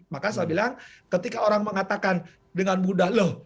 maka saya bilang ketika orang mengatakan dengan mudah loh